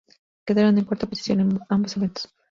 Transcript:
Quedaron en cuarta posición en ambos eventos.